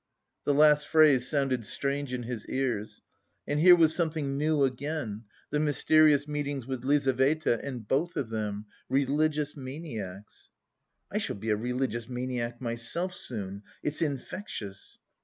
The last phrase sounded strange in his ears. And here was something new again: the mysterious meetings with Lizaveta and both of them religious maniacs. "I shall be a religious maniac myself soon! It's infectious!"